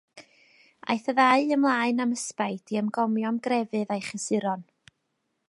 Aeth y ddau ymlaen am ysbaid i ymgomio am grefydd a'i chysuron.